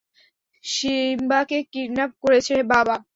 সিম্বাকে kidnap করেছে বাবা।